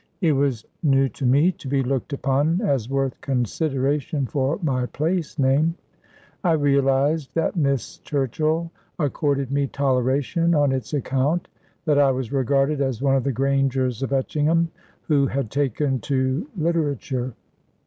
It was new to me to be looked upon as worth consideration for my place name. I realised that Miss Churchill accorded me toleration on its account, that I was regarded as one of the Grangers of Etchingham, who had taken to literature.